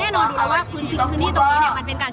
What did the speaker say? อย่างที่บอกไปว่าเรายังยึดในเรื่องของข้อ